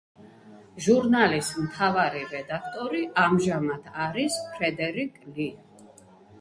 ჟურნალის მთავარი რედაქტორი ამჟამად არის ფრედერიკ ლი.